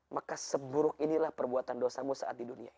maka seburuk inilah perbuatan dosamu saat di dunia ini